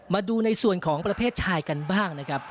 มาดูในส่วนของประเภทชายกันบ้างนะครับ